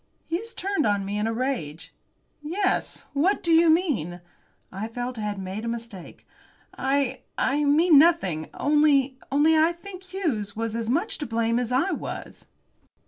Hughes turned on me in a rage. "Yes. What do you mean?" I felt I had made a mistake. "I I mean nothing. Only only I think Hughes was as much to blame as I was."